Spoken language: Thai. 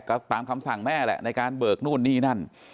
ก็ตามคำสั่งแม่แหละในการเบิกนู่นนี่นั่น